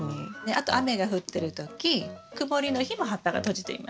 あと雨が降ってる時曇りの日も葉っぱが閉じています。